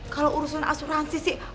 kalau urusan asuransi sih